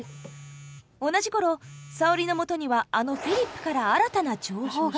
同じ頃沙織のもとにはあのフィリップから新たな情報が。